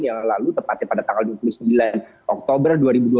yang lalu tepatnya pada tanggal dua puluh sembilan oktober dua ribu dua puluh